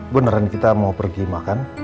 beneran kita mau pergi makan